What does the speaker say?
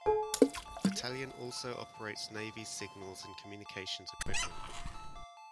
Battalion also operates Navy's signals and communications equipment.